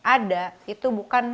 ada itu bukan